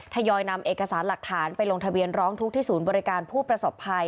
ทยอยนำเอกสารหลักฐานไปลงทะเบียนร้องทุกข์ที่ศูนย์บริการผู้ประสบภัย